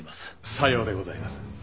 さようでございます。